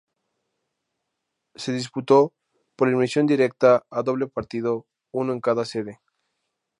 Se disputó por eliminación directa, a doble partido uno en cada sede.